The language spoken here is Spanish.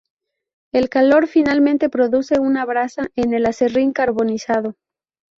El calor finalmente produce una brasa en el aserrín carbonizado.